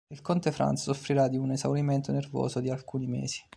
Il conte Franz soffrirà di un esaurimento nervoso di alcuni mesi.